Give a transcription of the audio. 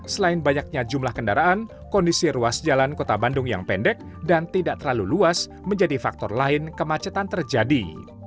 selain banyaknya jumlah kendaraan kondisi ruas jalan kota bandung yang pendek dan tidak terlalu luas menjadi faktor lain kemacetan terjadi